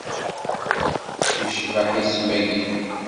Icbeḥ isem-agi.